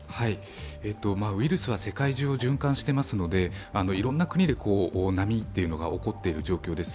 ウイルスは世界中を循環していますのでいろんな国で波というのが起こっている状況です。